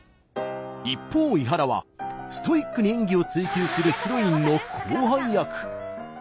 一方伊原はストイックに演技を追求するヒロインの後輩役。